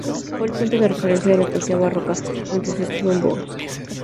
Fue el punto de referencia de la poesía barroca mientras estuvo en boga.